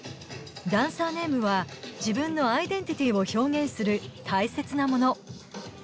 ダンサーネームは自分のアイデンティティーを表現する大切なもの。